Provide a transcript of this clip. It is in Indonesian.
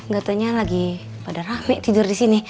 gatonya lagi pada rame tidur disini